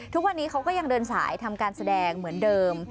ทุกวันนี้เขาก็ยังเดินสายทำการแสดงเหมือนเดิม